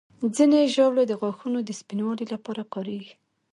ځینې ژاولې د غاښونو د سپینوالي لپاره کارېږي.